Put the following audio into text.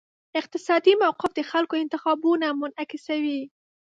اقتصادي موقف د خلکو انتخابونه منعکسوي.